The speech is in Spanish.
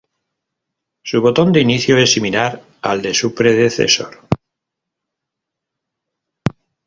Su botón de inicio es similar al de su predecesor.